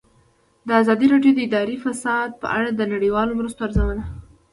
ازادي راډیو د اداري فساد په اړه د نړیوالو مرستو ارزونه کړې.